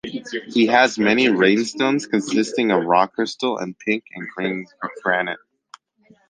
He has many rain-stones, consisting of rock crystal and pink and green granite.